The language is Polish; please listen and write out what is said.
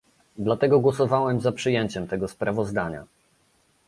Dlatego głosowałem za przyjęciem tego sprawozdania